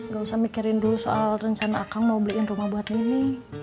gak usah mikirin dulu soal rencana akang mau beliin rumah buat ini